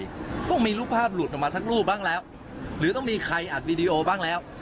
ต้องมีรูปภาพหลุดออกมาสักรูปบ้างแล้วหรือต้องมีใครอัดวีดีโอบ้างแล้ว